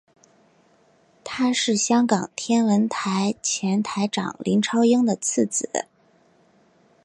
他是香港天文台前台长林超英的次子。